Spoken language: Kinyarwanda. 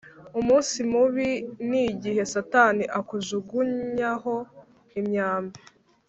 Umunsi mubi nigihe satani akujugunyaho imyambi